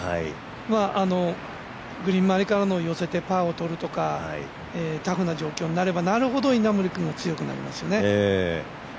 グリーンまわりから寄せてパーをとるとかタフな状況になればなるほど稲森君は強くなりますよね。